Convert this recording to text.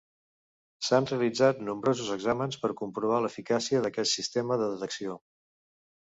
S'han realitzat nombrosos exàmens per comprovar l'eficàcia d'aquest sistema de detecció.